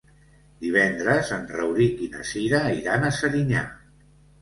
Divendres en Rauric i na Cira iran a Serinyà.